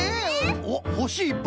おっほしいっぱい！